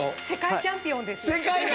世界チャンピオン！